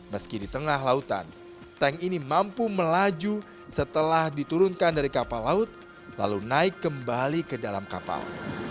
meski di tengah lautan tank ini mampu melaju setelah diturunkan dari kapal laut lalu naik kembali ke dalam kapal